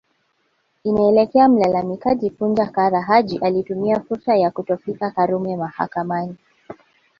Inaelekea mlalamikaji Punja Kara Haji alitumia fursa ya kutofika Karume mahakamani